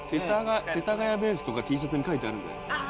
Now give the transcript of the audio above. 「世田谷ベース」とかＴシャツに書いてあるんじゃないすか。